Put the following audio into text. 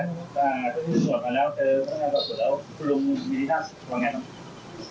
แล้วคุณคุณห์ลุงบริธานย์ว่าไงครับ